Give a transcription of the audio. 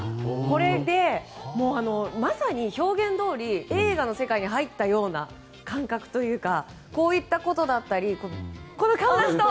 これで、まさに表現どおり映画の世界に入ったような感覚というかこういったことだったりカオナシと。